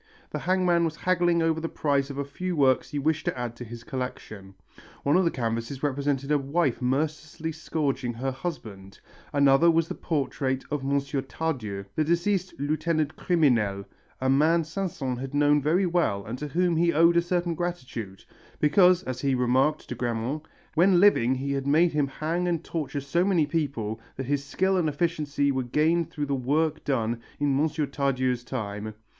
The hangman was haggling over the price of a few works he wished to add to his collection. One of the canvasses represented a wife mercilessly scourging her husband, another was the portrait of M. Tardieu, the deceased "Lieutenant Criminel," a man Sanson had known very well and to whom he owed a certain gratitude, because, as he remarked to Grammont, when living he had made him hang and torture so many people that his skill and efficiency were gained through the work done in M. Tardieu's time.